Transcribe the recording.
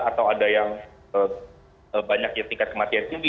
atau ada yang banyak yang tingkat kematian tinggi